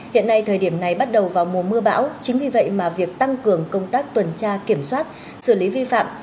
hiện nay thời điểm này bắt đầu vào mùa mưa bão chính vì vậy mà việc tăng cường công tác tuần tra kiểm soát xử lý vi phạm